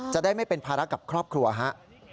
จะได้ไม่เป็นภาระกับครอบครัวครับ